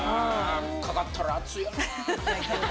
かかったら熱いやろな。